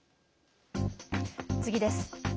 次です。